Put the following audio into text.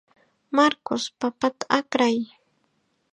Marcos, papata akray.